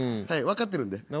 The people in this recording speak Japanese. はい分かってるんで。